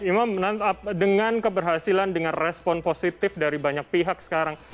imam dengan keberhasilan dengan respon positif dari banyak pihak sekarang